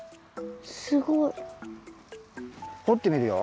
すごい。ほってみるよ。